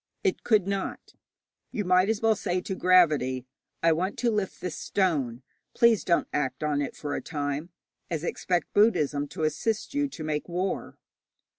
It could not. You might as well say to gravity, 'I want to lift this stone; please don't act on it for a time,' as expect Buddhism to assist you to make war.